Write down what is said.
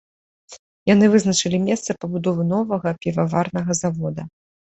Яны вызначылі месца пабудовы новага піваварнага завода.